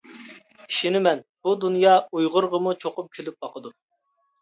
ئىشىنىمەن، بۇ دۇنيا ئۇيغۇرغىمۇ چوقۇم كۈلۈپ باقىدۇ!